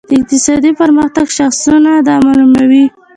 د اقتصادي پرمختګ شاخصونه دا معلوموي.